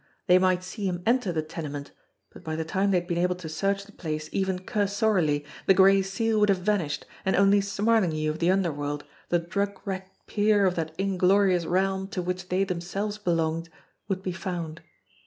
They might see him enter the tenement ; but by the time they had been able to search the place even cur sorily the Gray Seal would have vanished, and only Smar linghue of the underworld, the drug wrecked peer of that inglorious realm to which they themselves belonged, would be found.